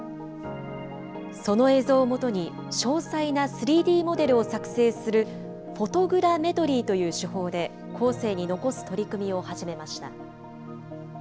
その映像をもとに、詳細な３Ｄモデルを作成するフォトグラメトリーという手法で、後世に残す取り組みを始めました。